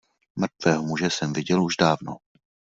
Mrtvého muže jsem viděl už dávno.